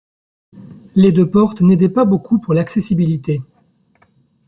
Les deux portes n'aidaient pas beaucoup pour l'accessibilité.